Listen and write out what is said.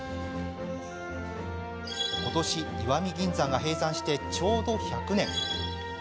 今年、石見銀山が閉山してちょうど１００年。